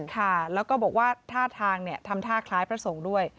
ค่ะแล้วก็บอกว่าท่าทางทำท่าคล้ายพระสงฆ์ด้วย